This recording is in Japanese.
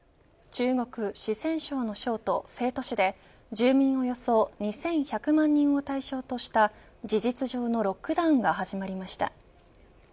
中国、四川省の省都、成都市で住民およそ２１００万人を対象とした事実上のロックダウンが始まりました。